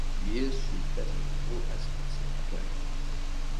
After years, she is deadly in all aspects of her game.